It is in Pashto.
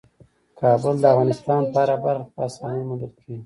کابل د افغانستان په هره برخه کې په اسانۍ موندل کېږي.